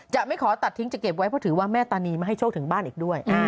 จะไม่ขอตัดทิ้งจะเก็บไว้เพราะถือว่าแม่ตานีมาให้โชคถึงบ้านอีกด้วย